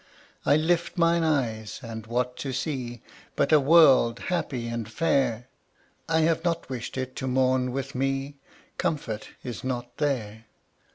I lift mine eyes, and what to see But a world happy and fair! I have not wished it to mourn with me Comfort is not there.